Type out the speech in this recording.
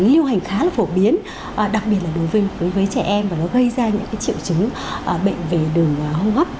lưu hành khá là phổ biến đặc biệt là đối với trẻ em và nó gây ra những triệu chứng bệnh về đường hô hấp